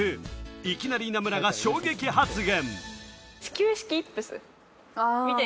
いきなり稲村が衝撃発言。